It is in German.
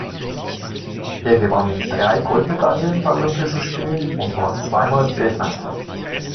Er gewann drei Goldmedaillen bei Olympischen Spielen und war zweimal Weltmeister.